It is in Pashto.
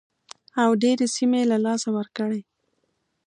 او ډېرې سیمې یې له لاسه ورکړې.